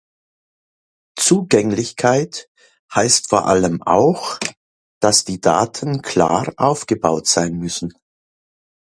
Zugänglichkeit heißt vor allem auch, dass die Daten klar aufgebaut sein müssen.